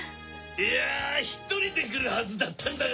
いや１人で来るはずだったんだが。